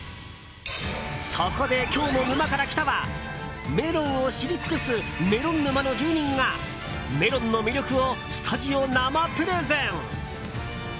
そこで今日の「沼から来た。」はメロンを知り尽くすメロン沼の住人がメロンの魅力をスタジオ生プレゼン。